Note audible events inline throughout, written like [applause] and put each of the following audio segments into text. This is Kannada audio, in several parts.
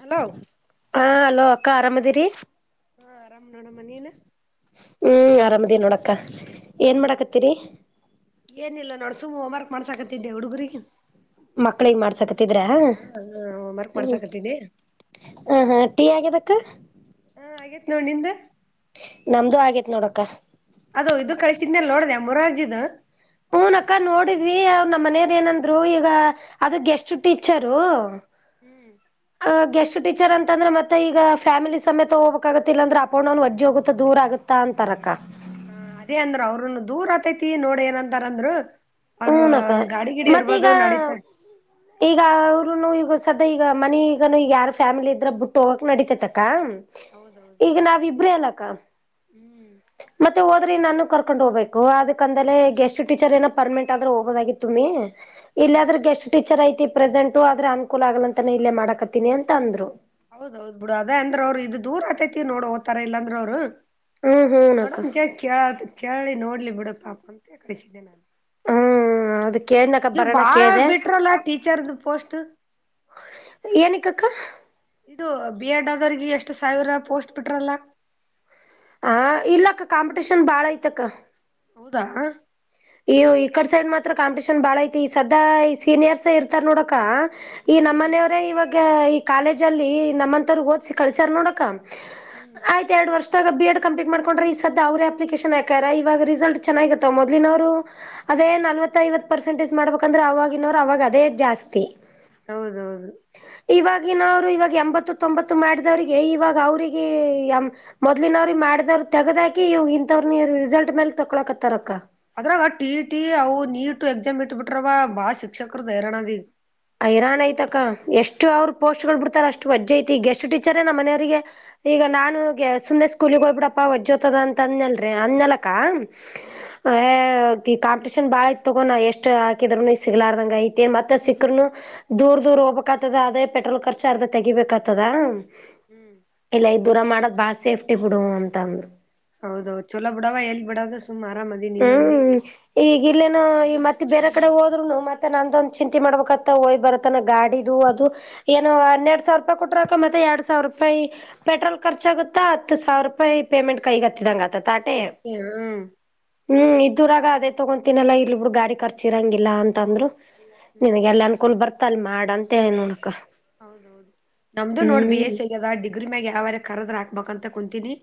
ಹಲೋ ಹಾ ಹಲೋ ಅಕ್ಕಾ ಆರಾಮದೇರಿ ಹಾ ಆರಾಮ್ ನೋಡಮ್ಮ ನೀನು ಹ್ಮ್ ಆರಾಮದೇ ನೋಡಕ್ಕ ಏನ್ ಹ್ಮ್ ಮಾಡಾಕತ್ತೀರಿ ಏನಿಲ್ಲ ನೋಡ್ಸುಮ್ ಹೋಮ್ವರ್ಕ್ ಮಾಡ್ಸಾಕತ್ತಿದ್ದೆ ಹುಡುಗರಿಗೆ ಮಕ್ಳಗ್ ಮಾಡ್ಸಕತಿದ್ರ ಹ ಹ ಹೋಮ್ವರ್ಕ್ ಹ್ಮ ಮಾಡ್ಸಾಕತ್ತಿದ್ದೆ ಹ ಹಾ ಟೀ ಆಗದಕ್ಕ ಹಾ ಆಗೇತ್ ನೋಡ್ ನಿಂದು ನಮ್ದು ಆಗೇತ್ ನೋಡಕ್ಕ ಅದು ಇದು ಕಳಿಸಿದನೇಲ್ ನೋಡಿದೆ ಮುರಾಜಿದು ಹನ್ [inaudible] ಅಕ್ಕ ನೋಡಿದ್ವಿ ಅವ್ ನಮ್ಮ್ ಮನೆಯವರು ಏನಂದ್ರು ಈಗ ಅದ ಗೆಸ್ಟ್ ಟೀಚರು ಹ್ಮ್ ಗೆಸ್ಟ್ ಟೀಚರ್ ಅಂತಂದ್ರೆ ಮತ್ತೆ ಈಗ ಫ್ಯಾಮಿಲಿ ಸಮೇತ ಹೋಗ್ಬೇಕಾಗಗುತ್ತಿಲ್ಲ ಅಂದ್ರ ಅಪೌೊಂಡ್ನು ಅಜ್ಜಿ ಹೋಗುತ್ತಾ ದೂರ ಆಗುತ್ತಾ ಅಂತಾರ ಅಕ್ಕ ಹ ಅದೇ ಅಂದ್ರರು ಅವ್ರನ್ನ ದೂರ ಆತೈತಿ ನೋಡ್ ಏನಂತಾರಂದ್ರರು ಹಊನಕ್ಕ ಮತ್ತ ಈಗ ಈಗ ಈಗ ಸದಾ ಈಗ ಮನ ಈಗನು ಈಗ ಯಾರ ಫ್ಯಾಮಿಲಿ ಇದ್ರ ಬಿಟ್ಟು ಹೋಗಕ್ ನಡಿತತತೆತಕ್ಕ ಹೌದೌದು ಈಗ ನಾವಿಬ್ರೇ ಅಲಕ್ಕ ಹ್ಮ್ ಮತ್ತೆ ಅ್ರ ನಾನು ಕರ್ಕೊಂಡ್ ಹೋಗಬೇಕು ಅದಕ್ ಅಂದ್ರ ಗೇಸ್ಟ್ ಟೀಚರ್ ಏನ ಪರ್ಮೆಂಟ್ ಆದ್ರೆ ಹೋಗಬೋದಾಗಿತ್ತು ತುಮ್ಮಿ ಇಲ್ಲ ಹ್ಮ್ ಆದ್ರೂ ಗೆಸ್ಟ್ ಟೀಚರ್ ಐತಿ ಪ್ರೆಸೆಂಟ ಆದ್ರ ಅನುಕೂಲ ಆಗಲಂತಾನ ಇಲ್ಲೇ ಮಾಡಕತ್ತೀನಿ ಅಂತ ಅಂದ್ರು ಹೌದೌದ್ ಬಿಡು ಅದೇ ಅಂದ್ರೆ ಅವರು ಇದದು ದೂರ ಆತೈತಿ ನೋಡ್ ಹೋಗತಾರ ಎಲ್ಲಾದ್ರುಅವ್ರು ಹ್ಮ್ ಹ್ಮ್ ನೋಡ ಅಕ್ಕ ಕೇಳ ಕೇಳಿ ನೋಡ್ಲಿ ಬಿಡ ಪಾಪ ಅಂತ ಕಡಿಸಿದ್ದೆ ನಾನು ಹ್ಮ್ ಅದ ಕೇಳ್ದನಕ್ಕ ಈಗ ಬರೋಣ ಬಾಳ ಕೇಳ್ದೆ ಬಿಟ್ರಲ್ಲ ಟೀಚರ್ದು ಪೋಸ್ಟ್ ಏನಕ್ಕಕ್ಕ ಇದು ಬಿ ಎಡ್ ಆದವಿಗೆ ಎಷ್ಟು ಸಾವಿರ ಪೋಸ್ಟ್ ಬಿಟ್ರಲ್ಲ ಹ ಇಲ್ಲಕ್ಕ ಕಾಂಪಿಟಷನ್ ಬಾಳ ಐತಕ್ಕ ಹದಾ ಹ ಇ ಈಕಡ್ ಸೈಡ್ ಮಾತ್ರ ಕಾಂಪಿಟೇಷನ್ ಬಾಳ ಐತಿ ಈ ಸದಾ ಈ ಸೀನಿಯರ್ಸ್ ಇರ್ತಾರ ನೋಡಕ ಈ ಹ್ಮ್ ನಮ್ಮನೆಯವ್ರೇ ಇವಾಗ ಈ ಕಾಲೇಜ ಅಲ್ಲಿ ನಮ್ಮಂತವ್ರ ಓದ್ಸಿ ಕಳ್ಸ್ಯಾರ ನೋಡಕ ಹ್ಮ್ ಆಯ್ತ್ ಎರಡು ವರ್ಷ ಬಿ ಎಡ್ ಕಂಪ್ಲೀಟ್ ಮಾಡಕೊಂಡ್ರೆ ಈ ಸದ ಅವ್ರ ಅಪ್ಲಿಕೇಶನ್ಕಾರ ಇಾಗ ರಿಸಲ್ಟ್ ಚೆಗಿತ್ತ ಮೊದ್ನವ್ರ್ ಅದೇ ನಲ್ವ ಐವತ್ ಪರ್ಸೆಂಟೇಜ್ ಮಾಡ್ಬೇಕಂದ್ರೆ ಅವವಾಗಿನವರು ಅವಾಗ ಅದೇ ಜಾಸ್ತಿ ಹೌದೌದು ಇವಾಗಿನ ಅವ್ರು ಇವಾಗ ಎಂಬತ್ತು ತೊಂಬತ್ತು ಮಾಡಿದವರಿಗೆ ಇವಾಗ ಅವ್ರಿಗೆ ಮೊದ್ಲಿನ ಅವ್ರಿಗೆ ಆಡ್ದವ್ರು ತೆಗದಾಕ ಇವು ಇಂಥವ್ರರು ರಿಸಲ್ಟ್ ಮೇಲೆ ತೊಳಕತ್ತಾರಕ್ಕ ಅದ್ರಾಗ ಟಿ ಟಿ ಅವು ನೀಟ್ ಎಕ್ಸಾಮ್ ಇಟ್ಟ ಬಿಟ್ರವ ಬಾಳ ಶಿಕ್ಷಕರೈರಣದಿ ಹಐರಾಣ ಐತಕ್ಕ ಎಷ್ಟು ಅವ್ರರು ಪೋಸ್ಟ್ ಗಳು ಬಿಡ್ತಾರ ಅಷ್ಟು ವಜ್ಜ್ ಐತಿ ಈ ಗೆಸಟ್ ಟೀಚರೇ ನಮ್ಮ್ ಮನೆಯವಿಗೆ ಈಗ ನಾನುಗೆ ಸುಮ್ಮನೆ ಸ್ಕೂಲಿಗೆ ಹೋಗ್ಬಿಡಪ್ಪಾ ಹೊಜ್ ಜೊತದ ಅಂತ ಅಂದ್ಲ್ರಿ ಅಂದ್ನಲಕ್ಕ ಹ್ಮ್ ಈ ಕಾಂಪಟಷನ್ ಬಾಳ ಐತ್ ತಗೋ ಎಷ್ಟ್ ಹಾಕಿದ್ರೂ ಸಿಗ್ಲಾರಂಗಡೈತೈ ನು ದೂರ್ ದೂರ್ ಹೋಗ್ಬೇಕಕ್ತದ ಅದೇ ಪೆಟ್ರೋಲ್ ಖರ್ಚ ಅರ್ಧ ತೆಗಿಬೇಕ್ತದಾ ಹ್ಮ್ ದೂರ ಮಾಡೋದ್ ಬಾಳ ಸೇಫ್ಟಿ ಬಿಡು ಅಂತ ಅಂದ್ರು ಹೌದೌ ಚೊಲೋ ಬಿಡಾವ ಎಲ್ಲಿ ಬಿಡದು ಸುಮ್ ಆರಾಮದಿ ನೀವ್ನ ಅಲ್ಲಿ ಇಲ್ಲೇನ ಮತ್ತೆ ಬೇರೆ ಕಡೆ ಹೋದ್ರುನು ಮತ್ತೆ ನಂದೊಂದು ಚಿಂತೆ ಮಾಡ್ಬೇಕತ್ತ ಹಯ್ ಬರತ್ತನ ಗಾಡಿದು ಅದು ಏನೋ ಹನ್ನೆರಡ್ ಸಾವಿರ ರೂಪಾಯಿ ಕೊಟ್ರಕ ಮತ್ತೆ ಎರಡ್ ಸಾವಿರ ರೂಪಾಯಿ ಪೆಟ್ರೋಲ್ ಖರ್ಚಾಗುತ್ತಾ ಹತ್ತು ಸಾವಿರ ರೂಪಾಯಿ ಪೇಮೆಂಟ್ ಕೈಗತ್ತಿದಂಗ ಹ ಹ್ಮ್ ಇದದುರಾಗ ಅದೇ ತೊಗೊತನಲ್ಲ ಇಲ್ ಬಿಡು ಗಾಡಿ ಖರ್ಚ ಇರಂಗಿಲ್ಲ ಅಂತ ಅಂದ್ರು ಹ್ಮ್ ನಿನಗೆ ಎಲ್ಲ ಅನ್ಕೊಂಡ್ ಬರ್ತಲ್ ಮಾಡ ಅಂತ ಹೇಳಿ ನೋಡಕ ಹೌದೌದು ನಮ್ದು ನೋ ಬಿ ಹ್ಮ್ ಎಸ್ ಸಿಗ್ಯದ ಡಿಗ್ರಿ ಮ್ಯಾಗ ಯಾವ್ಯಾರ ಕರದ್ರ ಆಗ್ತ ಬಕ್ಂತ ಕುಂತೀನಿ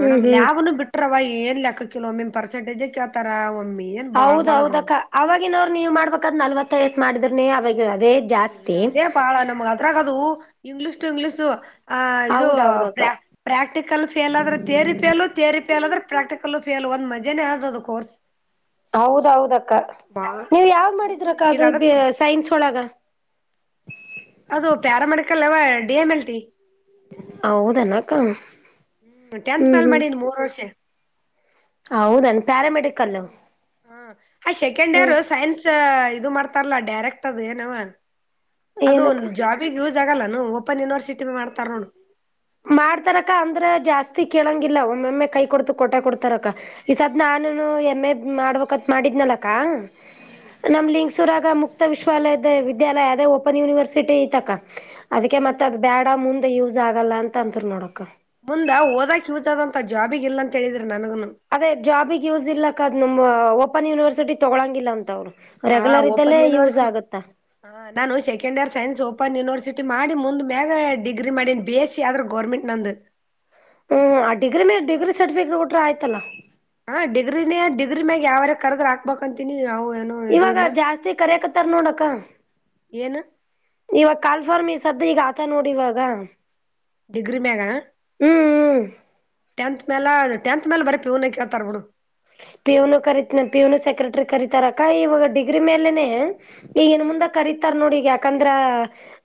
ಹ್ಮ್ ಹ್ಮ್ ಬಿಟ್ರವ ಏನ್ ಲೆಕ್ಕ ಕಲೋ ಮಮ್ ಪರ್ಸೆಟೇಜ ಕೇಳ್ತಾರ ಒಮ್ಮಿ ಹೌದೌದಕ್ಕ ಅವವಾಗಿನವ್ರು ನೀವ್ ಮಾಡ್ಬೇಕಾದ್ ನಲ್ವತ್ತ ಐವತ್ತು ಮಾಡಿದ್ರನಿ ಅವಾಗ ಅದೇ ಜಾಸ್ತಿ ಅದೇ ಬಾಳ ನಮ್ಗ್ ಅದ್ರಾಗ ಅದು ಇಂಗ್ಲೀಷ್ ಟು ಇಂಗ್ಲೀಷ್ ಆ ಇದು ಹೌದೌದಕ್ಕ ಪ್ರಾ ಪ್ರಾಕ್ಟಿಕಲ್ ಫೇಲ್ ಆದ್ರೆ ಥಿಯಾರಿ ಪೇಲ್ ಥಿಯಾರಿಪೇಲ್ ಅ ಆದ್ರೆ ಪ್ರಾಕ್ಟಿಕಲ್ಲ ಫೇಲ್ ಒ ಮಜೆನೆೇ ಆದ ಅದು ಕೋರ್ಸ್ ಹೌದೌದಕ್ಕ ಬಾಳ ನೀವ್ ಯವಾಗ ಹ್ಮ್ ಮಾಡಿದ್ರಕ್ಕ ಈಗ ಅದು ಅದಕ್ ಸೈನ್ಸ್ ಒಳಗ ಅದು ಪ್ಯಾರಾಮೆಡಿಕಲ್ ಅವ ಡಿ ಎಂ ಎಲ್ ಟಿ ಹೌದು ಏನ್ ಅಕ್ಕ ಹ್ಮ್ ಟೆಂತ್ ಮೇಲ್ ಮಾಡಿದಿ ಮೂರ್ ವರ್ಷ ಹೌದನ್ ಪ್ಯಾರಾಮೆಡಿಕಲ್ ಹ್ಮ ಹ ಆ ಸೆಕೆಂಡ್ ಇಯರ್ ಹ್ಮ್ ಸೈನ್ಸ್ ಇದು ಮಾಡ್ತ ಡೈರೆಕ್ಟ್ ಅದು ಎನ್ ವಾ ಅದು ಏನಕ್ಕ ಜಾಬ ಯೂಸ್ ಆಗಲ್ಲ ಓಪನ್ ಯನಿವರ್ಸಿಟಿ ಮಾಡ್ತಾರಕ ಅಂದ್ರೆ ಜಾಸ್ತಿ ಕೇಳಂಗಿಲ್ಲ ಒಮ್ಮೊಮ್ಮೆ ಕೈ ಕೊಡ್ತು ಕಟೆ ಕೊಡ್ತಾರಕ್ಕ ಈ ಸತ್ ನಾನು ಎಮ್ ಎ ಮಾಡ್ಬೇಕತ್ ಮಾಡಿದ್ದ ಇನಲಕ್ಕಾ ನಮ್ ಲಿಂಗ್ಸೂರಾಗ ಮುಕ್ತ ವಿಶ್ವಾಲಯ ವಿದ್ಯಾಲಯ ಅದೇ ಓಪನ್ ಯೂನಿವರ್ಸಿಟಿ ಇತಕ್ಕ ಅದಕ ಹ್ಮ್ ಮತ್ತತ್ ಅದ್ ಬೇಡ ಮುಂದೆ ಯೂಸ್ ಆಗಲ್ಲ ಅಂತ ಅಂತರಿ ನೋಡಕ್ ಮುಂದ ಓದಕ್ ಯೂಸ್ ಆಗು ಅಂತ ಜಾಬಿಗೆ ಇಲ್ಲಂತ ಹೇಳಿದ್ರ ನನಗನು ಅದೇ ಜಾಬಿಗೆ ಯೂಸ್ ಇಲ್ಲಕ್ಕ ಅದ್ ನಮ್ ಓಪನ್ ಯೂನಿವರ್ಸಿಟಿ ತೊಗಳಂಗಿಲ್ಲ ಅಂತ ಅವ್ರು ಹಾ ರೆಗ್ಯುಲರ್ ಓಪನ್ ಇದ್ದಲ್ಲೇ ಯೂಸ್ ಯೂನಿವರ್ಸಿ ಆಗತ್ತಾ ಹಾ ನಾನು second year science open university ಮಾಡಿ ಮುಂದ ಮೇಗ ಡಿಗ್ರಿ ಮಾಡಿ ಬಿ ಎಸ್ ಸಿ ಆದ್ರ ಗೌರ್ಮೆಂಟ್ ನಂದು ಹ್ಮ್ ಆ ಡಿಗ್ರಿ ಮೇಲೆ ಡಿಗ್ರಿ ಸರ್ಟಿಫಿಕೇಟ್ ಕೊಟ್ರೆ ಆಯ್ತಲ್ಲಾ ಹಾ ಡಿಗ್ರಿನೇ ಡಿಗ್ರಿ ಮ್ಯಾಗ ಯಾವರ ಕರೆದ್ರ ಹಾಕ್ಬಬೇಕಂತೀನಿ ಅವ್ ಇವಾಗ ಜಾಸ್ತಿ ಕರಕತ್ತಾರ ನೋಡಕ ಏನ್ ಇವಾಗ ಕಾಲ್ಫಾರ ಮಿ ಸದ್ ಈಗ ಹಾಕ ನೋಡಿವಾಗ ಡಿಗ್ರಿ ಮ್ಯಾಗ ಟೆಂತ್ ಮೇಲ ಟೆಂತ್ ಮೇಲೆ ಬರೀ ಪ್ಯವನ ಕೇಳ್ತಾರ್ಡು ಪಿಯುನು ಕರೀತೀನಿ ಪಿಯುನು ಸೆಕ್ರೆಟರಿ ಕರೀತಾರಕ್ಕ ಇವಾಗ ಡಿಗ್ರಿ ಮೇಲೆನೆ ಈಗ ನ್ ಹ್ಮ್ ಮುಂದ ಕರೀತಾರ್ ನೋಡಿ ಈಗ ಯಾಕೆ ಯಾಕಂದ್ರ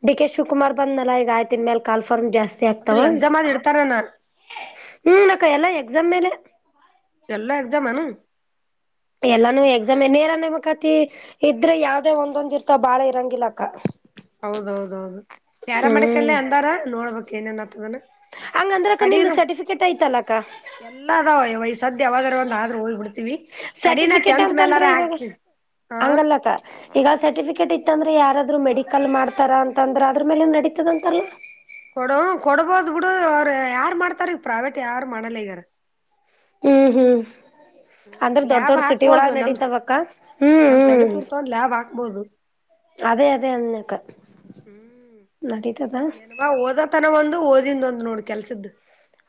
ಡಿ ಕೆ ಶಿವಕುಮಾರ್ ಬಂದ್ಲ್ ಈಗ ಆಯ್ತನ್ ಮೇಲ ಕಾಲ್ಫರ್ಮ್ ಜಾಸ್ತಿ ಸರಿ ಅಂದ್ರ ಆಗ್ತವ ಎಕ್ಸಾಮ್ ಆದ್ ಇಡ್ತಾರನ ಹ್ಮ್ ನಕ್ಕ ಎಕ್ಸಾಮ್ ಮೇಲೆ ಎಲ್ಲ ಎಕ್ಸಾಮ್ ಏನು ಎಲ್ಲಾನು ಎಕ್ಸಾಮ್ ನೇರ ನೇಮಕಾತಿ ಇದ್ರೆ ಯಾವ್ದೇ ಒಂದೊಂದ್ ಇರ್ತ ಬಾಳ ಇರಂಗಿಲ್ಲಕ್ಕ ಹೌದೌದೌದು ಪ್ಯಾರಾ ಹ್ಮ್ ಮೆಡಿಕಲ್ಲೇ ಅಂದಾರ ನೋಡ್ಬೇಕಕ್ ಏನೇನ್ತದನ ಹಂಗಂದ್ರಕ್ಕ ನಿಮ್ದ ಸರ್ಟಿಫಿಕೇಟ್ ಐತಲ್ಲ ಅಕ್ಕ ಎಲ್ಲಾ ಆದವ ಇವ ಸದ್ಯ ಯಾವದ್ರ ಒಂದ ಆದ್ರೆ ಹೋಗ್ಬ ಬಿಡ್ತಿವಿ ಕಡಿನ ಸರ್ಟಿಫಿಕೇಟ್ ಟೆಂತ್ ಮೇಲಾರ ಅಂತಂದ್ರೆ ಇವಾಗ ಹಾಕ್ತಿವಿ ಹಂಗಲ್ಲಕ್ಕ ಈಗ ಸರ್ಟಿಫಿಕೇಟ್ ಇತ್ತು ಇತಂದ್ರೆ ಯಾರಾದ್ರರು ಮೆಡಿಕಲ್ ಮಾಡ್ತಾರ ಅಂತಂದ್ರ ಅಂದ್ರು ಮೇಲೆ ನಡೀತದ ಅಂತಾರಲ್ಲ ಕೊಡು ಕೊಡಬೋದು ಬಿಡು ಅವರು ಯಾರು ಮಾಡ್ತಾರ ಈಗ ಪ್ರವೇಟ್ ಯಾರು ಮಾಡಲ್ಲ ಈಗಾರ ಹ್ಮ್ ಹ್ಮ್ ಹ್ಮ್ ಅಂದ್ರೆ ದೊಡ್ ಲ್ಯಾಬ್ ದೊಡ್ ಸಿಟಿ ಹಾಕ್ಬೋದು ಒಳಾಗ ನಮ್ ನಡತಾವಕ್ಕ ಹ್ಮ್ ನಮ್ ಸೈಡ್ಪ್ ಹ್ಮ್ ಇರ್ತವಂದ್ ಲ್ಯಾಬ್ ಹಾಕ್ಬೋದು ಅದೇ ಅದೇ ಅನ್ನಕ ಹ್ಮ್ ನಡೀತದಾ ದು ಓದಿಂದ ಒಂದು ನೋಡು ಕೆಲ್ಸದ್ದು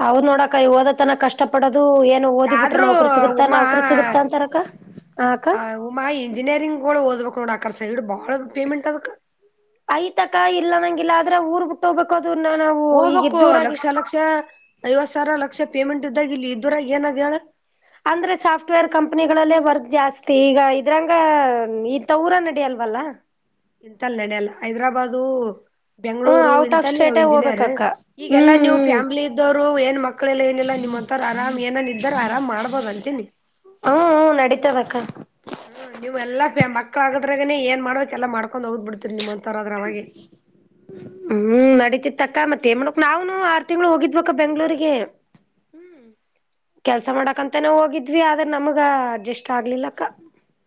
ಅವ್ ನೋಡಕೈ ಓದ ತನ ಕಷ್ಟ ಪಡೋದು ಅದು ಏನು ಓದಿ ಬಿಟ್ರ ಆದ್ರೂ ನೌಕ್ರ ಸಿಗುತ್ತಾ ಉಮಾ ನೌಕ್ರ ಸಿಗುತ್ತಾ ಅಂತಾರಕ್ಕ ಆ ಅಕ್ಕ ಕೂ ಓದ್ಬೇಕ ನೋಡ ಆಕ ಐತಕ ಇಲ್ಲ ನಂಗಿಲ್ಲ ಆದ್ರೆ ಊರ್ ಬಿಟ್ಟು ಹೋಗ್ಬೇಕು ಅದನ್ನ ನಾವು ಈಗ ಹೋಗ್ಬೇಕು ಇದ್ದೂರಾಗಿ ಲಕ್ಷ ಲಕ್ಷ ಐವತ್ ಸಾವಿರ ಲಕ್ಷ ಪೇಮೆಂಟ್ ಇದ್ದಾಗಿಲ್ಲಿ ದೂರಾಗಿ ಏನಾದ ಹೇಳ ಅಂದ್ರೆ ಸಾಫ್ಟರ್ ಕಂಪನಿಗಳಲ್ಲೇ ವರ್ಕ್ ಜಾಸ್ತಿ ಈಗ ಇದ್ರಂಗ ಇತ್ತ ಊರಲ್ಲಿ ನಡಿಯಲ್ಲ ವಲ್ಲ ಇಂತಲ್ಲ ನಡಿಲ್ಲ ಹೈದ್ರಾಬಾದು ಹ್ಮ ಬೆಂಗ್ಗಳೂರು ಔಟ್ ಆಫ್ ಇಂತಲ್ಲಿ ಸ್ಟೇಟೇ ಇಂಜಿನಿಯರ್ ಹೋಗ್ಬೇಕಕ್ಕ ಈಗೆಲ್ಲಾ ಹ್ಮ್ ನೀವು್ ಹ್ಮ್ ಫ್ಯಾಮಿಲಿ ಇದ್ದವ್ರು ಏನ್ ಮಕ್ಕಳಲ್ಲ ಏನೆಲ್ಲ ನಿಮ್ ಒಂಥರ ಆರಾಮ್ ಏನನ್ ಇದ್ದಾರ ಆರಾಮ್ ಮಾಡ್ಬೋದ ಅಂತೇನಿ ಹ್ಮ್ ಹ್ಮ್ ನಡಿತಾದಕ್ಕ ಹ್ಮ್ ನೀವ್ ಎಲ್ಲ ಮಕ್ಳ ಆಗದ್ರಾಗನ ಏನ್ ಮಾಡ್ಬೇಕಕ್ ಎಲ್ಲ ಮಾಡ್ಕೊಂಡ್ ಹೋಗದ್ ಬಿಡ್ತರಿ ನಿಮ್ಮಂತ ಹ್ಮ್ ನಡೀತಿ ತಕ್ಕ ಮತ್ತೆ ತೇಮಡಕ್ ನಾವುನು ಆರು ತಿಂಗ್ಳ ಹೋಗಿದ್ಬೇಕ ಬೆಂಗ್ಳೂರಿಗೆ ಹ್ಮ್ ಕೆಲ್ಸ ಮಾಡಕಂತನ ಹೋಗಿದ್ವಿ ಆದ್ರೆ ನಮಗ ಅಡ್ಜಸ್ಟ್ ಆಗ್ಲಿಲ್ಲಕ್ಕ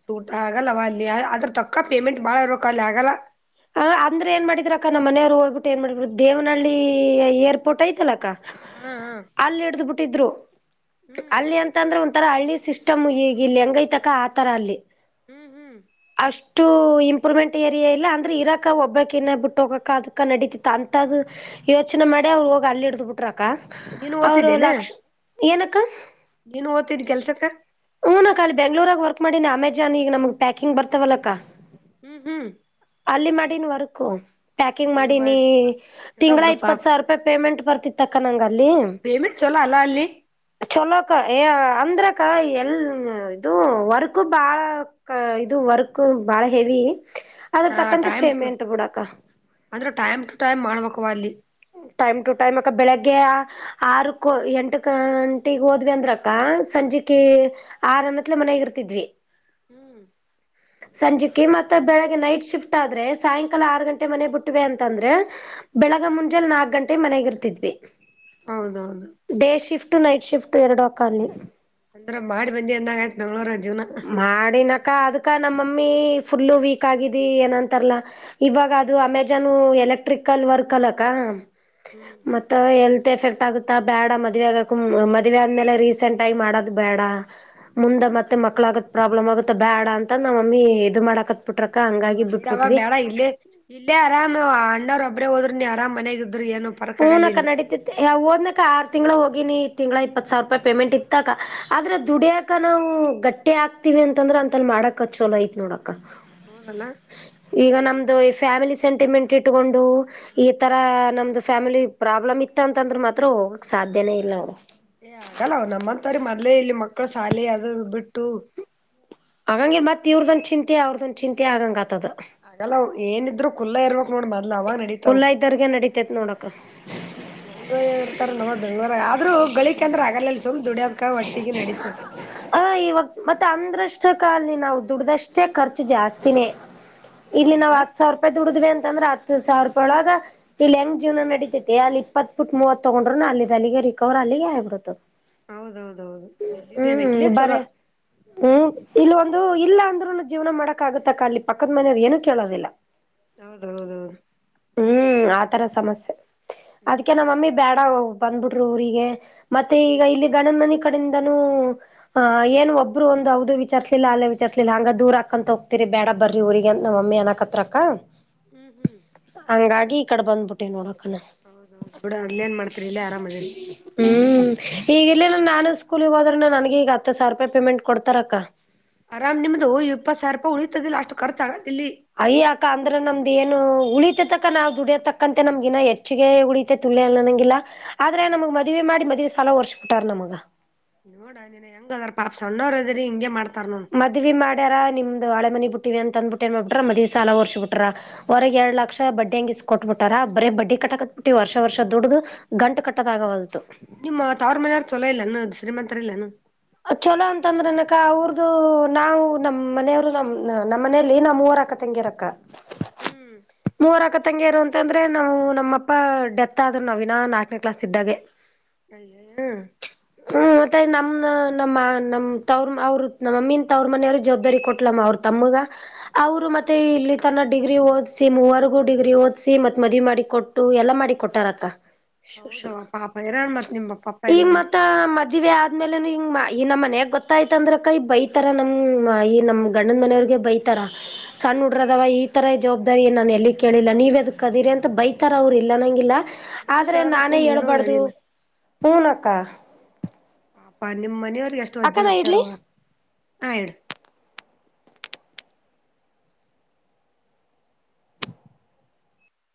ತೂಟ್ ಆಗಲ್ಲವ ಅಲ್ಲಿ ಅದ್ರ ತೊಕ್ಕ ಪೇಮೆಂಟ್ ಬಾಳ ಇರ್ಬೇಕ ಅಲ್ಲಿ ಆಗಲ್ಲ ಹ ಅ್ರ ಏನ್ ಮಾಡಿದ್ರ ಅಕ್ಕ ನಮ್ಮ ಮನವ್ರು ಹೋಗ್ಬಿಟ್ಟು ಏನ್ ಮಾಡ್ಬಿ್ರು ದೇವನಹಳ್ಳಿ ಏರ್ಪೋರ್ಟ್ ಐ್ತಲ್ಲ ಅಕ್ಕ ಹಾ ಹಾ ಅಲ್ಲಿ ಹಿಡ್ದು ಬಿಟ್ಟಿದ್ರು ಹ್ಮ್ ಅಲ್ಲಿ ಅಂತ ಅಂದ್ರೆ ಒ ಆ ತರ ಹಳ್ಳಿ ಸಿಸ್ಟಮ್ ಈಗ ಇಲ್ಲಿ ಹೆಂಗೈಐತಕ ಆ ತರ ಅಲ್ಲಿ ಹ್ಮ್ ಹ್ಮ್ ಷ್ಟುಇಂಪ್ರೂವ್ಮೆಂಟ್ ಏರಿಯಾ ಇಲ್ಲ ಅ್ರ ಇರಕ ಒಬ್ಬಾಕಿನೇ ಬಿಟ್ಟು ಹೋಗಕ ಅದಕ್ಕ ನಡಿತಿತ್ತ ಅಂತದ್ ಯೋಚನೆ ಮಾಡಿ ಅವ್ರು ಹೋಗಿ ಅಲ್ಲಿ ಹಿಡ್ದು ಬಿಟ್ರ ನೀನು ಅವರು ಓತಿದ್ದೇನೆ ಲಕ್ಷ ಏನಕ್ಕ ನೀನು ಒತ್ತಿದೆ ಕೆಲ್ಸಕ್ಕ ಹುನಕ್ಕ ಬೆಂಗ್ಳೂರಾಗ ವರ್ಕ್ ಮಾಡೀನಿ ಅಮೆಜಾನ್ ಈಗ ನಮ್ಗ್ ಪ್ಯಾಕಿಂಗ್ ಬರ್ತವಲ್ಲಕ್ಕ ಹ್ಮ್ ಹ್ಮ್ ಅಲ್ಲಿ ಮಾಡಿನಿ ವರ್ಕು ಪ್ಯಾಕಿಂಗ್ ಇವ ಮಾಡಿನಿ ಚಲೋ ತಿಂಗಳ ಬಿಡು ಪಾಪ ಇಪ್ಪತ್ ಸಾವಿರ ರೂಪಾಯಿ ಪೇಮೆಂಟ್ ಬರ್ತಿತ್ತ ಅಕ್ಕ ನಂಗಲ್ಲಿ [unintelligible] ಚಲೋ ಅಲ್ಲ ಅಲ್ಲಿ ಚೊಲೋಕ ಏ ಅಂದ್ರ ಕ ಎಲ್ ಇದು ವರ್ಕ್ ಬಾಳ ಇದು ವರ್ಕ್ ಬಾಳ ಹೆವಿ ಅದ್ರ ಹಾ ತಕ್ಕಂತೆ ಟೈಮ್ ಟು ಪೇಮೆಂಟ್ ಬಿಡಕ್ಕ ಅಂದ್ರೆ ಟೈಮ್ ಟು ಟೈಮ್ ಮಾಡ್ಬೇಕವ ಅಲ್ಲಿ ಹ್ಮ ಟೈಮ್ ಟು ಟೈಮ್ ಅಕ್ಕ ಬೆಳಗ್ಗೆ ಆರುಕ್ಕ ಎಂಟು ಗಂಟಿಗೆ ಹೋದ್ವಿ ಅಂದ್ರಕ್ಕ ಸಂಜೆಕ್ಕೆ ಹ್ಮ್ ಆರಂದತ್ಲೆ ಮನಾಗ ಇರ್ತಿದ್ವಿ ಹ್ಮ್ ಸಂಜೆಕ ಮತ್ತೆ ಬೆಳಿಗ್ಗೆ ನೈಟ್ ಶಿಫ್ಟ್ ಆದ್ರೆ ಸಾಯಂಕಾಲ ಆರು ಗಂಟೆ ಮನೆ ಬಿಟ್ಟಿವೆ ಅಂತಂದ್ರೆ ಬೆಳಗ್ಗ ಮು ಲ್ಲಿ ನಾಲ್ಕು ಗಂಟೆ ಮನೆಗೆ ಇರ್ತಿದ್ವಿ ಹೌದೌದು ಡೇ ಶಿಫ್ಟ್ ಉ ನೈಟ್ ಶಿಫ್ಟ್ ಎರಡು ಅಕ್ಕ ಅಲ್ಲಿ ಅಂದ್ರ ಮಾಡಿ ಬಂದಿ ಅಂದಂಗಾಯ್ತು ಬೆಂಗಳೂರಲ್ಲಿ ಮಾಡಿನಕ ಅದ್ಕ ನಮ್ಮಮ್ಮಿ ಫುಲ್ಲು ವೀಕ್ ಆಗಿದಿ ಏನಂತಾರಲ್ಲಾ ಇವಾಗ ಅದು ಅಮೆಜಾನ್ ಎಲೆಕ್ಟ್ರಿಕಲ್ ವರ್ಕ್ ಅಲಕ್ಕ ಮತ್ತ ಎಲ್ತ್ ಎಫೆಕ್ಟ್ [unintelligible] ಬೇಡ ಮದುವಿ ಆಗಕ ಮದ್ವೆ ಆದ್ಮೇಲೆ ರೀಸೆಂಟ್ ಆಗಿ ಮಾಡದು ಬೇಡ ಮುಂದೆ ಮತ್ತ ಮತ್ತೆ ಮಕ್ಕಳಾಗದ ಪ್ರಾಬ್ಲಮ್ ಆಗುತ್ತೆ ಬ್ಯಾಡ ಅಂತ ನಮ್ಮಮ್ಮಿ ಇದು ಮಾಡಾಕತ್ತ ಆದ ಬಿಡ ಅವವ ಬೇಡ ಇಲ್ಲಿ ಇಲ್ಲೇ ಆರಾಮ್ ಅಣ್ಣಾವ್ರು ಒಬ್ರೇ ಹೋದ್ರನು ನೀ ಅರಾಮ ಮನೆಯಾಗ ಹುನಕ್ಕ ನಡೀತಿತಿ ಓದ್ನಕ್ಕ ಆರು ತಿಂಗ್ಳ ಹೋಗ ತಿಂಗಳ ಇಪ್ಪತ್ ಸಾವಿರ ರೂಪಾಯಿ ಪೇಮೆಂಟ್ ಇತ್ತಕ ಆದ್ರೆ ದುಡಿಯಕ ನಾವು ಗಟ್ಟಿ ಹಾಕ್ತಿವಿ ಅಂತಂದ್ರೆ ಅಂತಲ್ ಮಾಡಕ ಚೋಲೋ ಐತ್ ನೋಡಕ ಹೌದಲ್ಲ ಈಗ ನಮ್ದು ಈ ಫ್ಯಾಮಿಲಿ ಸೆಂಟಿಮೆಂಟ್ ಇಟ್ಟುಕೊಂಡು ಈ ತರ ನಮ್ದು ಫ್ಯಾಮಿಲಿ ಪ್ರಾಬ್ಲಮ್ ಇತ್ತ ಅಂತಂದ್ರ ಮಾತ್ರ ಹೋಗಕ್ ಸಾಧ್ಯನೇ ಇಲ್ಲ ಅವ ಏ ಆಗಲ್ಲ ನಮ್ಮಂತವ್ರ ಮೊದ್ಲೇ ಇಲ್ಲಿ ಮಕ್ಕಳ ಶಾಲೆ ಅದು ಇದು ಬಿಟ್ಟು ಹಾಗಂಗಗೆ ಮತ್ತ ಇವ್ರದೊಂದು ಚಿಂತಿ ಅವ್ರದೊಂದು ಚಿಂತಿ ಆಗಂಗ ಆಗ್ತದ ಆಗಲ್ಲ ಅವ ಏನಿದ್ರು ಖಲ್ಲಾ ಇರ್ಬೇಕ್ ನೋಡ ಮೊದ್ಲ ಅವಾಗ ನಡೀತಾವ ಕುಲ್ಲ ಇದ್ದರ್ಗೆ ನಡಿತೈತ್ ನೋಡಕ ಹೆಂಗ ಇರ್ತಾರೆ ನಮ್ಮ ಬೆಂಗ್ಳೂರಗ ಆದ್ರೂ ಗಳಿಕ ಅಂದ್ರೆ ಅಗಲಲ್ಲಿ ಸುಮ್ನೆ ದುಡಿಯದ ಹ ಇವಾಗ ಮತ್ತೆ ಅಂದ್ರಷ್ಟ ಕಷ್ಟಕಅಲ್ಲಿ ನಾವು ದುಡ್ದಷ್ಟೇ ಖರ್ಚು ಜಾಸ್ತಿನೇ ಇಲ್ಲಿ ನಾವು ಹೌದಲ್ಲಾ ಹತ್ ಸಾವಿರ ರೂಪಾಯಿ ದುಡ್ವಿ ಅಂದ್ರ ಹತ್ತು ಸಾವಿರ ರೂಪಾಯಿ ಒಳಗ ಇಲ್ಲಿ ಹೆಂಗ ಜೀವನ ನಡಿತೈತಿ ಅಲ್ಲಿ ಇಪ್ಪತ್ತು ಬಿಟ್ ಮೂವತ್ ತಗೊಂಡ್ರು ಅಲ್ಲಿ ಅಲ್ಲಿಗೆ ರಿಕವರಿ ಆಗ ಅಲ್ಲಿಗೆ ಆಗ್ಬಿಡೋತು ಹೌದೌದೌದು ಇಲ್ಲಿದ್ದೇವೆ ಇಲ್ಲೇ ಚಲೋ ಅದು ಇಲ್ಲ ಅಂದ್ರುನು ಜೀವನ ಮಾಡಕ್ ಆಗುತ್ತಕ್ಕ ಅಲ್ಲಿ ಪಕ್ಕದ ಮನೆಯವರು ಏನು ಕೇಳೋದಿಲ್ಲ ಹೌದೌದೌದು ಹ್ಮ್ ಆತರ ಸಮಸ್ಯೆ ಅದ್ಕೆ ನಮ್ಮಮ್ಮಿ ಹ್ಮ್ ಬೇಡ ಬಂದ್ಬಿಟ್ರು ಊರಿಗೆ ಮತ್ತೆ ಈಗ ಇಲ್ಲಿ ಗಂಡನ್ಮನೆ ಕಡಿಂದನೂ ಆ ಏನು ಒಬ್ರು ಒ ಹೌದು ವಿಚಾರ್ಸಲಿಲ್ಲ ಅಲ್ಲೆ ವಿಚಾರ್ಸಲಿಲ್ಲ ಹಂಗ ದೂರ ಹಕಂತ ಹೋಗ್ತಿರಿ ಬೇಡ ಬರ್ರಿ ಊರಿಗೆ ನಮ್ಮಮ್ಮಿ ಅನಕತ್ರಕ್ಕ ಹ್ಮ್ ಹ್ಮ್ ಹಂಗಾಗಿ ಈ ಕಡೆ ಬಂದ್ಬಿಟ್ಟೆ ನೋಡಕ್ ಹ್ಮ್ ಹೌದೌದು ಬಿಡ ಅಲ್ಲೇನ್ ಮಾಡ್ತೀರಿ ಇಲ್ಲೇ ಆರಾಮ್ ಅದಿರಿ ಈಗಲ್ಲೆಲ್ಲ ನಾನು ಸ್ಕೂಲ್ ಹೋದ್ರೆ ನನಗೆ ಈ ಹತ್ತು ಸಾವಿರ ರೂಪಾಯಿ ಪೇಮೆಂಟ್ ಕೊಡ್ತಾರಕ್ಕ ಆರಾಮ್ ನಿಮ್ದು ಹೂ ಇಪ್ಪ ಸಾವಿರ ರೂಪಾಯಿ ಉಳಿತತದಿಲ್ಲ ಅಷ್ಟು ಖರ್ಚ ಇಲ್ಲಿ ಅಯ್ಯ್ಯಾಕ ಅಂದ್ರ ನಮ್ದ ಏನು ಉಳಿತ ತಕ ನಾವವು ದುಡಿಯೋತಕ್ಕಂತೆ ನಮಗಾ ಹೆಚ್ಚಿಗೆ ಉಡಿತತೆ ತುಳಿಯ ಅಲ್ಲ ನಂಗಿಲ್ಲಾ ಆದ್ರೆ ನಮ್ಗ್ ಮದ್ವೆ ಮಾಡಿ ಮದ್ವೆ ಸಾಲ ಹೊರ್ಬಿಟ್ಟಾರ ನಮಗ ನೋಡ ನೀನ್ ಹೆಂಗ ಅದಾರ ಪಾಪ ಸಣ್ಣವ್ ಅದ್ರರಿ ಹಿಂಗಗೆ ಮಾಡ್ತ ಮದ್ವಿ ಮಾಡ್ಯಾರ ನಿಮ್ದು ಹಳೆ ಮನಿ ಬಿಟ್ಟ ಅಂದಬಿಟ್ಟ ಏನ್ ಮಾಡ ಬಿಟ್ರ ಮದ್ವಿ ಸಾಲ್ರ್ಸ್ಬ ಬಿಟ್ರ ಹೊರಗ್ ಎರಡ್ ಲಕ್ಷ ಬಡ್ಡಿ ಹಂಗ ಇಸ್ ಕೊಟ್ಬ ಬಿಟಾರ ಬೇ ಬಡ್ಡಿ ಕಟ್ಟಕತ್ ಬಿಟ್ಟಿ ವರ್ಷ ವರ್ಷ ದುಡ್ಡ್ದು ಗಂಟ ಕಟ್ಟದಾಗವಲ್ ನಿಮ್ಮ ತಾವ್ರ ಮನೆಯವರು ಚೊಲೋ ಇಲ್ಲಾನ ಶ್ರೀಮಂತರ ಇಲ್ಲಾನ ಚಲೋ ಅಂತಂದ್ರೆ ಅನಕ ಅವ್ರದು ನಾವು ನಮ್ಮನೆಯವರು ನಮ್ಮ ನಮ್ಮ ಮನಲಿ ನಮ್ಮ ಊರಾಕ ತಂಗಿ ಅರಕ್ಕ ಹ್ಮ್ ರಕತಂಗ್ಯರು ಅಂತಂದ್ರೆ ನಾವು ನಮ್ಮಪ್ಪ ಡೆತ್ ಆದರು ನವಿನ ನಾಲ್ಕನೇ ಕ್ಲಾಸ್ ಇದ್ದಾಗ ಅ ಹ್ಮ್ ಮತ್ತ ನಮ್ಮ ನಮ್ಮ ನಮ್ಮ ತವ್ರ ಅವರು ನಮ್ಮಮ್ಮಿ ತ ಅವ್ರ ಮನೆಯವ್ರ ಜವಾಬ್ದಾರಿ ಕೊಟ್ಲಮ್ಮ ಅವ್ರ ತಮ್ಮಗ ಅವರು ಮತ್ತೆ ಇಲ್ಲಿ ತನ್ನ ಡಿಗ್ರಿ ಓದ್ಸಿ ಮೂವರ್ಗೂ ಡಿಗ್ರಿ ಓದ್ಸಿ ಮತ್ ಮದವಿ ಮಾಡಿ ಕೊಟ್ಟು ಎಲ್ಲ ಮಾಡಿ ಕೊಟ್ಟಾರಕ್ಕ ಶು ಶು ಹೌದವ ಪಾಪ ಇರಣ ಮತ್ ನಿಮ್ ಪಪ್ಪ ಈಗ ಇಲ್ಲಾಂದ್ರ ಮತ್ತ ಮದ್ವೆ ಆದ್ಮೇಲೆ ಹ ಈ ನಮ್ಮ ಮನಾಗ ಗೊತ್ತಾಯ್ತ ಅಂದ್ರ ಕೈ ಬೈತರ ನಮ್ಮ ಈ ನಮಮ್ಮ ಗಂಡದ ಮನೆ ಅವ್ರಿಗೆ ಬೈತಾರ ಸಣ್ಣ ಉಡ್ರದವ ಈ ತರ ಜಾಬ್ ಅರಿ ನಾನು ಎಲ್ಲಿ ಕೇಳಿಲ್ಲ ನೀವ ಅದ ಕದೀರಿ ಅಂತ ಬೈತಾರ ಅವರು ಇಲ್ಲ ನಂಗಿಲ್ಲ ನೀನು ಆದ್ರೆ ಹೇಳ್ಬೇಕು ನಾನೇ ನೀನು ಹೇಳ್ಬಾರ್ದು ಹೇಳಿಲ್ಲ ಹೂನ ಅಕ್ಕ ಅಪ ನಿಮ್ಮ್ ಮನವ್ರಿಗೆ ಎಷ್ಟು ಅಕ್ಕ ಅಜ್ಜಿ ನಾ ಹೊಸಾರ ಇಡ್ಲಿ ಆ ಹೇಳ